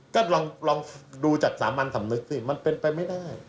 ก็ลองดูจากสามัญสำนึกสิมันเป็นไปไม่ได้